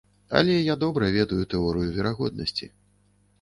Але я добра ведаю тэорыю верагоднасці.